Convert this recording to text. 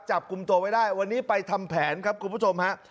จับกลุ่มตัวไว้ได้วันนี้ไปทำแผนครับคุณผู้ชมฮะ